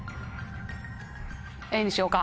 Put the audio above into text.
Ａにしようか。